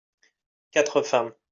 quatre femmes.